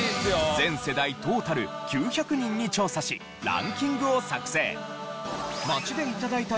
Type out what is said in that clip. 全世代トータル９００人に調査しランキングを作成。